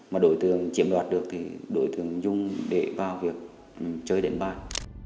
mà đối tượng chiếm đoạt được thì đối tượng dung để vào việc chơi đánh bài